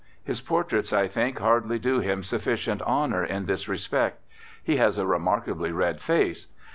His portraits, I think, hardly do him sufficient honour in this respect. He has a remarkably red face.